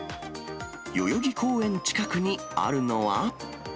代々木公園近くにあるのは。